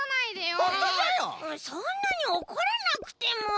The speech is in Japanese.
そんなにおこらなくても。